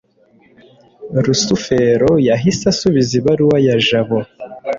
rusufero yahise asubiza ibaruwa ya jabo